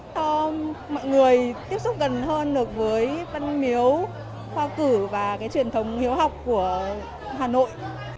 cho mọi người tiếp xúc gần hơn được với văn miếu khoa cử và cái truyền thống hiếu học của hà nội